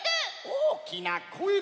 おおきなこえで！